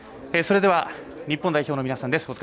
それでは日本代表の皆さんです。